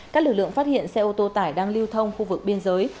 các lực lượng phát hiện xe ô tô tải đang lưu thông khu vực biên giới